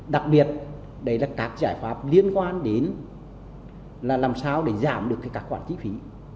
đặc biệt đấy là các giải pháp liên quan đến là làm sao để giảm được các quản trị phí